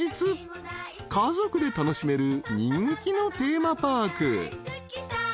［家族で楽しめる人気のテーマパーク］